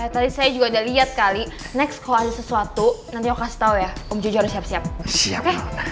tadi saya juga udah lihat kali next kalau ada sesuatu nanti aku kasih tau ya om jojo harus siap siap